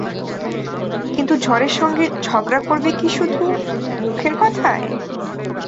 কিন্তু ঝড়ের সঙ্গে ঝগড়া করবে কি শুধু মুখের কথায়?